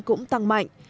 cũng tăng mạnh